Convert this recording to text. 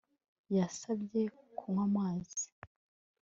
Yasabye kunywa amazi